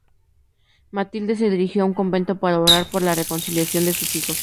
Matilde se dirigió a un convento para orar por la reconciliación de sus hijos.